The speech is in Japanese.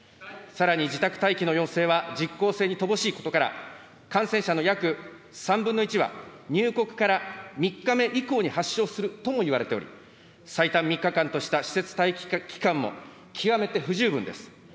さらに自宅待機の要請は、実効性に乏しいことから、感染者の約３分の１は、入国から３日目以降に発症するともいわれており、最短３日間とした施設待機期間も極めて不十分です。